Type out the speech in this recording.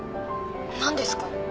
何ですか？